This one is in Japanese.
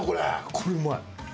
これうまい。